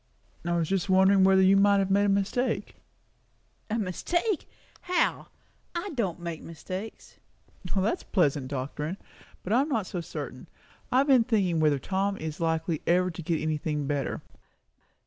"Just wondering whether you might have made a mistake." "A mistake! How? I don't make mistakes." "That's pleasant doctrine! But I am not so certain. I have been thinking whether Tom is likely ever to get anything better."